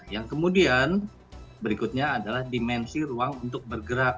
yang kemudian berikutnya adalah dimensi ruang untuk bergerak